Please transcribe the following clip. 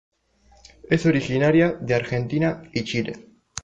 Es originaria de argentina y Chile.